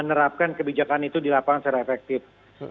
dan menerapkan kebijakan itu di lapangan secara efektif